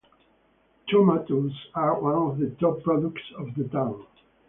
Tomatoes are one of the top products of the town.